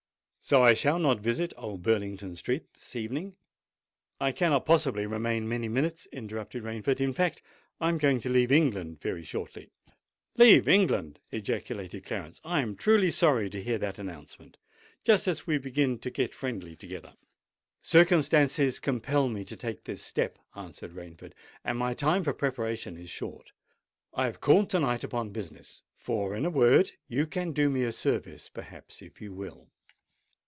So I shall not visit Old Burlington Street this evening; and if you will bear me company over a bottle of wine——" "I cannot possibly remain many minutes," interrupted Rainford. "In fact I am going to leave England very shortly——" "Leave England!" ejaculated Clarence. "I am truly sorry to hear that announcement—just as we begin to get friendly together." "Circumstances compel me to take this step," answered Rainford; "and my time for preparation is short. I have called to night upon business—for, in a word, you can do me a service, perhaps, if you will."